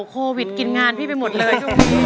โควิดกินงานพี่ไปหมดเลย